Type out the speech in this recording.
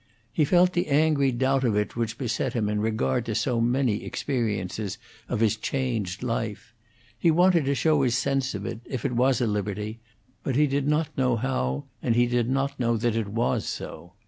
He felt the angry doubt of it which beset him in regard to so many experiences of his changed life; he wanted to show his sense of it, if it was a liberty, but he did not know how, and he did not know that it was so.